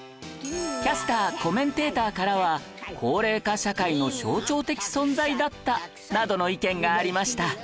キャスターコメンテーターからは「高齢化社会の象徴的存在だった」などの意見がありました